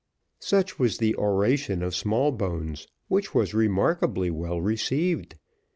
Such was the oration of Smallbones, which was remarkably well received.